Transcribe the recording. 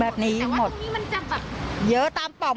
แบบนี้หมดแต่ว่าตรงนี้มันจะแบบเยอะตามปล่อง